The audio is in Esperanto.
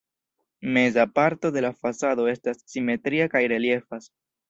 Meza parto de la fasado estas simetria kaj reliefas.